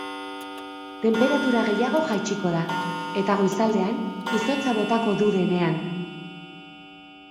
Tenperatura gehiago jaitsiko da, eta goizaldean izotza botako dudenean.